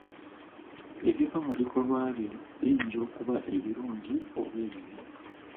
Ebiva mu bikolwa byo biyinza okuba ebirungi oba ebibi.